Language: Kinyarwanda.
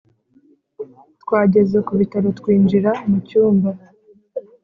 twageze ku bitaro twinjira mu cyumba